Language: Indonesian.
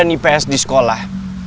anak ipa dan ips di sekolah